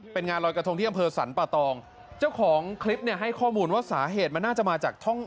เป็นงานลอยกระทงที่อำเภอสรรปะตองเจ้าของคลิปเนี่ยให้ข้อมูลว่าสาเหตุมันน่าจะมาจากท่อง